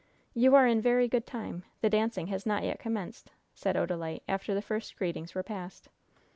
"You are in very good time! the dancing has not yet commenced," said Odalite, after the first greetings were passed.